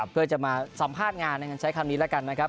เพื่อจะมาสัมภาษณ์งานใช้คำนี้แล้วกันนะครับ